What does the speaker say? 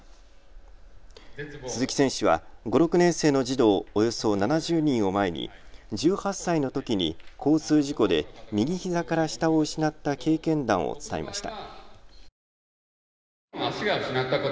鈴木選手は５、６年生の児童およそ７０人を前に１８歳のときに交通事故で右ひざから下を失った経験談を伝えました。